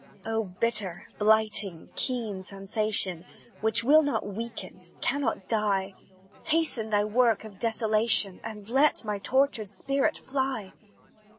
"Oh, bitter, blighting, keen sensation, Which will not weaken, cannot die, Hasten thy work of desolation, And let my tortured spirit fly!